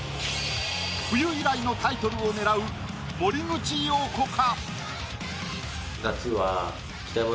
冬以来のタイトルを狙う森口瑤子か？